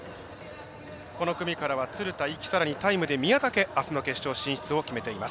この組からは鶴田、壹岐、さらにタイムで宮武あすの決勝進出を決めています。